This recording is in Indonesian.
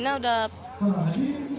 kita harus berpikir pikir